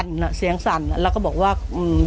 ก็ได้ดินสินง่าย